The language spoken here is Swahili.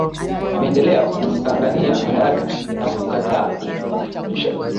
ameendelea kung ang ania madaraka na kukataa kumpisha